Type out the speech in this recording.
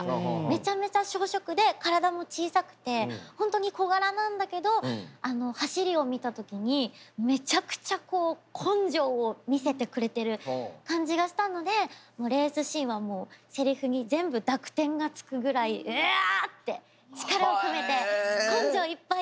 めちゃめちゃ小食で体も小さくてほんとに小柄なんだけど走りを見た時にめちゃくちゃこう根性を見せてくれてる感じがしたのでもうレースシーンはもうせりふに全部濁点が付くぐらい「うあああ！」って力を込めて根性いっぱいでしゃべってます。